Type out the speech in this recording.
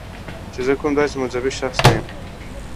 چې زه کوم داسې مذهبي شخص نه یم